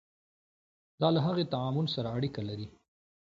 دا له هغې تعامل سره اړیکه لري.